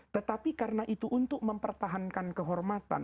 tetapi karena itu untuk mempertahankan kehormatan